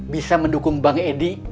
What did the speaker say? bisa mendukung bang edi